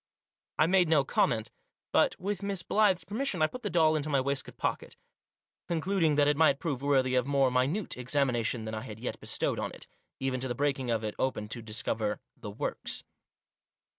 I made no comment, but, with Miss Blyth's permis sion, I put the doll into my waistcoat pocket ; conclud ing that it might prove worthy of more minute exami nation than I had yet bestowed on it — even to the breaking of it open to discover " the works."